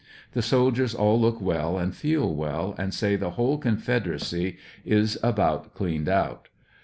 The soldiers all look well and feel well, and say tie whole confederacy is about cleaned out.